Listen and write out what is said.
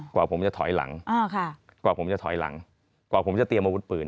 กว่าผมจะถอยหลังกว่าผมจะถอยหลังกว่าผมจะเตรียมอาวุธปืน